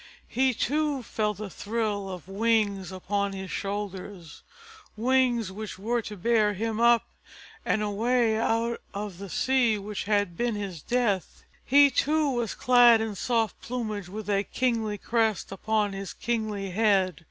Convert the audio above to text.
He too felt the thrill of wings upon his shoulders, wings which were to bear him up and away out of the sea which had been his death. He too was clad in soft plumage with a kingly crest upon his kingly head.